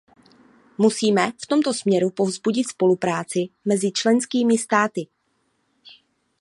Musíme v tomto směru povzbudit spolupráci mezi členskými státy.